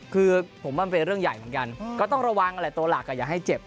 คือผมว่ามันเป็นเรื่องใหญ่เหมือนกันก็ต้องระวังแหละตัวหลักอย่าให้เจ็บ